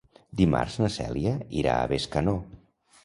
Dimarts na Cèlia irà a Bescanó.